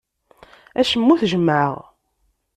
Acemma ur t-jemmɛeɣ.